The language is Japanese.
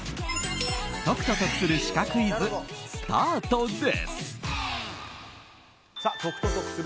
解くと得するシカクイズスタートです！